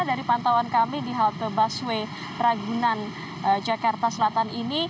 dari pantauan kami di halte busway ragunan jakarta selatan ini